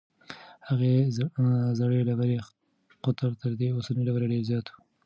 د هغې زړې ډبرې قطر تر دې اوسنۍ ډبرې ډېر زیات و.